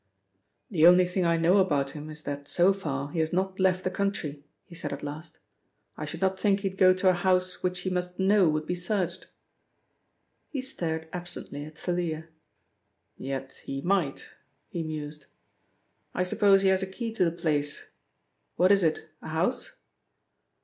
"The only thing I know about him is that so far he has not left the country," he said at last. "I should not think he'd go to a house which he must know would be searched." He stared absently at Thalia. "Yet he might," he mused. "I suppose he has a key to the place. What is it, a house?"